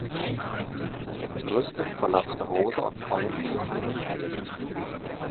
Entrüstet verlassen Rosa und Valentin ihren Dienst.